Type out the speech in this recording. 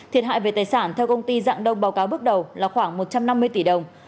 thiệt hại về tài sản theo công ty dạng đông báo cáo bước đầu là khoảng một trăm năm mươi tỷ đồng